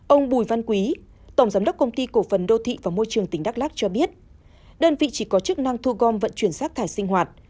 ông bùi văn quý tổng giám đốc công ty cổ phần đô thị và môi trường tỉnh đắk lắc cho biết đơn vị chỉ có chức năng thu gom vận chuyển rác thải sinh hoạt